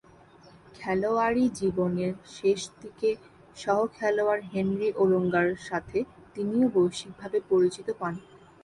খেলোয়াড়ী জীবনের শেষদিকে সহ-খেলোয়াড় হেনরি ওলোঙ্গা’র সাথে তিনিও বৈশ্বিকভাবে পরিচিত পান।